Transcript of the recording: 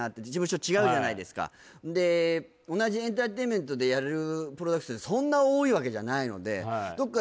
はいで同じエンターテインメントでやれるプロダクションってそんな多いわけじゃないのでは